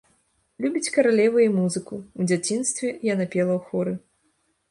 Любіць каралева і музыку, у дзяцінстве яна пела ў хоры.